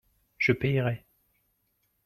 Je paierai.